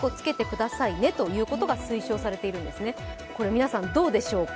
皆さんどうでしょうか。